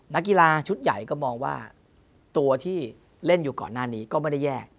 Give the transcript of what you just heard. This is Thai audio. นักกีฬาชุดใหญ่ก็มองว่าตัวที่เล่นอยู่ก่อนหน้านี้ก็ไม่ได้แยก